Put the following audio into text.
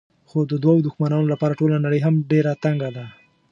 خو د دوو دښمنانو لپاره ټوله نړۍ هم ډېره تنګه ده.